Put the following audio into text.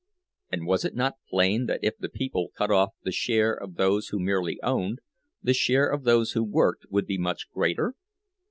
And was it not plain that if the people cut off the share of those who merely "owned," the share of those who worked would be much greater?